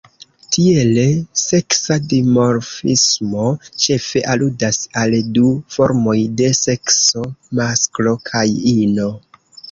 Tiele, seksa dimorfismo ĉefe aludas al du formoj de sekso, masklo kaj ino.